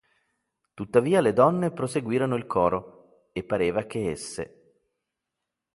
Tuttavia le donne proseguirono il coro; e pareva che esse.